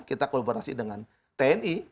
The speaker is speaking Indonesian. kita kolaborasi dengan tni